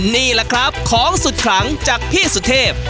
นี่แหละครับของสุดขลังจากพี่สุเทพ